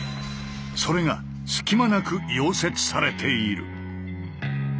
それが隙間なく溶接されている。